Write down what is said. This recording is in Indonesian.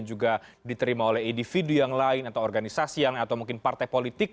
juga diterima oleh individu yang lain atau organisasi yang atau mungkin partai politik